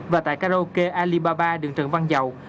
và tại karaoke alibaba đường trần văn dậu